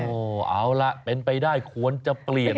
เอาล่ะเป็นไปได้ควรจะเปลี่ยน